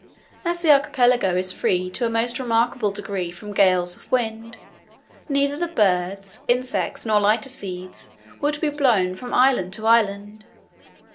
As the archipelago is free to a most remarkable degree from gales of wind, neither the birds, insects, nor lighter seeds, would be blown from island to island.